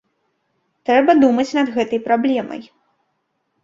Трэба думаць над гэтай праблемай.